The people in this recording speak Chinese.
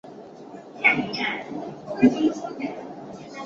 这些枢机支持教宗跟于意大利南部居住的诺曼人成为联盟。